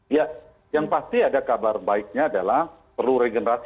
ya yang pasti ada kabar baiknya adalah perlu regenerasi